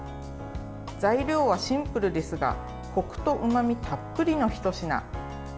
材料はシンプルですがこくとうまみたっぷりのひと品。